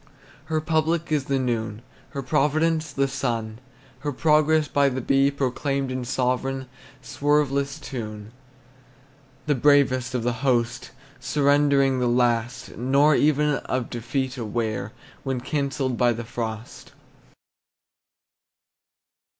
Her public is the noon, Her providence the sun, Her progress by the bee proclaimed In sovereign, swerveless tune. The bravest of the host, Surrendering the last, Nor even of defeat aware When cancelled by the frost.